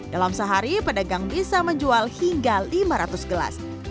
dalam sehari pedagang bisa menjual hingga lima ratus gelas